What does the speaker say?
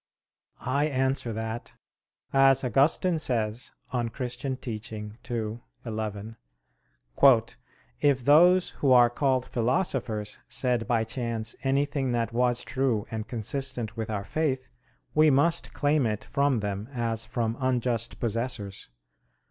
I answer that, As Augustine says (De Doctr. Christ. ii, 11): "If those who are called philosophers said by chance anything that was true and consistent with our faith, we must claim it from them as from unjust possessors.